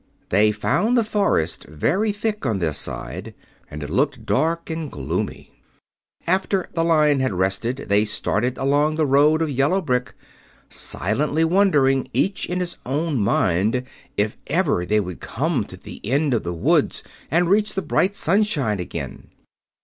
They found the forest very thick on this side, and it looked dark and gloomy. After the Lion had rested they started along the road of yellow brick, silently wondering, each in his own mind, if ever they would come to the end of the woods and reach the bright sunshine again.